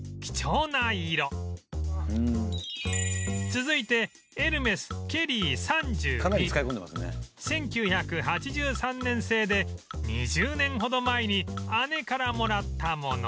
続いてエルメスケリー３２１９８３年製で２０年ほど前に姉からもらったもの